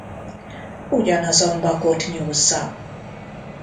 Ugyanazon bakot nyúzza.